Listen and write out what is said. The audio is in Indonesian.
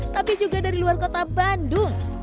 tapi juga dari luar kota bandung